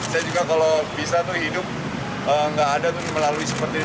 saya juga kalau bisa tuh hidup nggak ada tuh melalui seperti ini